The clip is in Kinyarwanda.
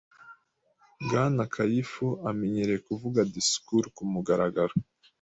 Bwana Kaifu amenyereye kuvuga disikuru kumugaragaro.